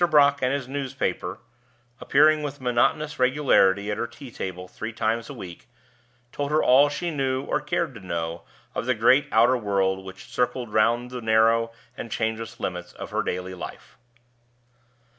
Brock and his newspaper, appearing with monotonous regularity at her tea table three times a week, told her all she knew or cared to know of the great outer world which circled round the narrow and changeless limits of her daily life.